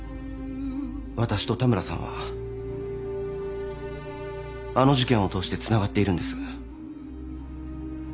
私と田村さんはあの事件を通してつながっているんです。